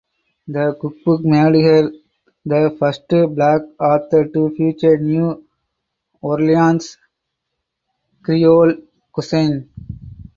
The cookbook made her the first Black author to feature New Orleans Creole cuisine.